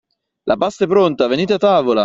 La pasta è pronta, venite a tavola!